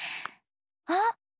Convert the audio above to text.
あっ！